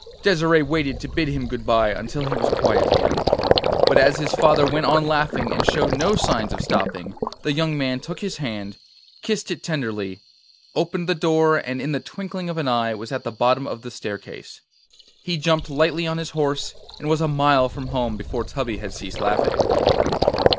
Desire waited to bid him good bye until he was quiet again; but as his father went on laughing and showed no signs of stopping, the young man took his hand, kissed it tenderly, opened the door, and in the twinkling of an eye was as at the bottom of the staircase. He jumped lightly on his horse, and was a mile from home before Tubby had ceased laughing.